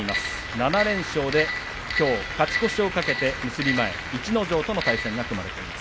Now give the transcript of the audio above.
７連勝できょうは勝ち越しを懸けて結び前逸ノ城との対戦が組まれています。